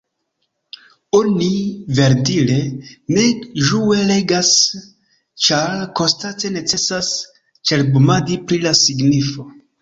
Oni, verdire, ne ĝue legas, ĉar konstante necesas cerbumadi pri la signifo.